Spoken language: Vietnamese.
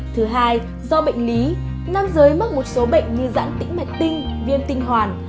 thứ hai do bệnh lý nam giới mất một số bệnh như dãn tĩnh mệt tinh viêm tinh hoàn